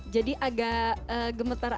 jadi akhirnya aku mencoba dengan mereka ya